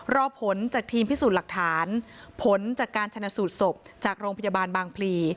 รอผลจากทีมพิสูจน์หลักฐานผลจากการชนะสูตรศพจากโรงพยาบาลบางพลี